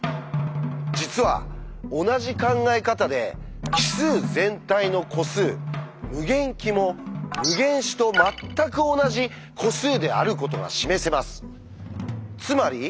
実は同じ考え方で奇数全体の個数「∞き」も「∞自」とまったく同じ個数であることが示せます。